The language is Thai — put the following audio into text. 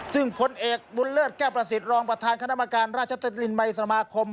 ซึ่งผลเอกบุญเลิศแก้วประสิทธิ์รองประธานคณะกรรมการราชินมัยสมาคม